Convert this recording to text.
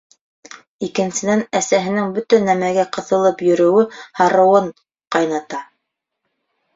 Икенсенән, әсәһенең бөтә нәмәгә ҡыҫылып йөрөүе һарыуын ҡайната.